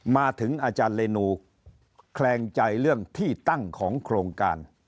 มาถึงอาจารย์เรนูแคลงใจเรื่องที่ตั้งของโครงการ